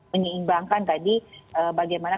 menyeimbangkan tadi bagaimana